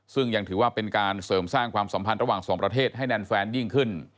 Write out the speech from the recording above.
ซึ่งยังถือว่าเป็นการเสริมสร้างความสัมพันธ์ระหว่างสองประเทศให้แน่นแฟนยิ่งขึ้น